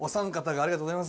ありがとうございます。